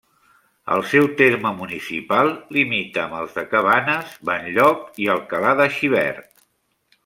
El seu terme municipal limita amb els de Cabanes, Benlloc i Alcalà de Xivert.